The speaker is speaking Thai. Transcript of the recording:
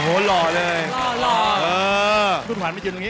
โอ้โฮหล่อเลยเหรอฮุ่นหวานไปจุดอย่างนี้